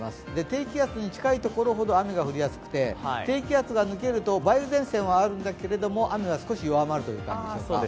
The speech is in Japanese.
低気圧に近い所ほど雨が降りやすくて、低気圧が抜けると梅雨前線はあるんだけれども、雨が少し弱まる感じでしょうか。